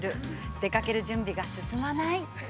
出かける準備が進まない。